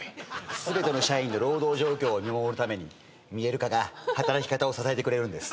全ての社員の労働状況を見守るために見える化が働き方を支えてくれるんです。